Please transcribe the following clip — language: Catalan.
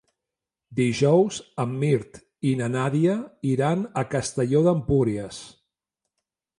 Dijous en Mirt i na Nàdia iran a Castelló d'Empúries.